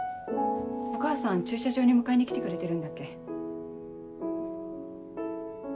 お母さん駐車場に迎えに来てくれてるんだっけ？